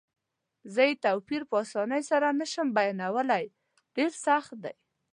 زه یې توپیر په اسانۍ سره نه شم بیانولای، ډېر سخت دی.